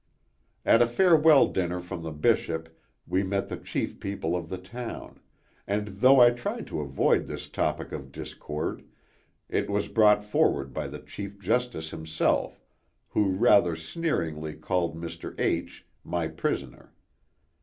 At a farewell dinner from the Bishop we met the chief people of the town, and though I tried to avoid this topic of discord, it was brought forward by the Chief Justice himself, who rather sneeringly called Mr. H my prisoner.